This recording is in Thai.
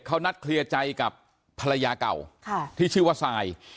เขานัดเคลียร์ใจกับภรรยาเก่าที่ชื่อว่าทราย